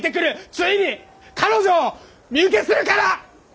ついに彼女を身請けするから！